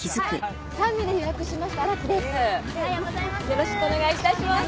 よろしくお願いします。